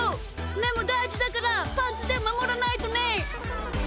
めもだいじだからパンツでまもらないとね！